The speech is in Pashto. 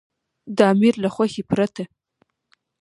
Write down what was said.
د امیر له خوښې پرته.